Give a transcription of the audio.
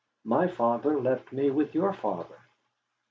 My father left me with your father."